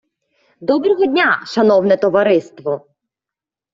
Доброго дня, шановне товариство!